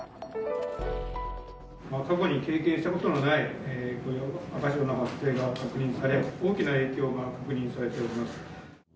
過去に経験したことのない赤潮の発生が確認され、大きな影響が確認されております。